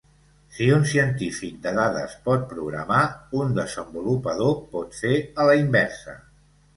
Si un científic de dades pot programar, un desenvolupador pot fer a la inversa.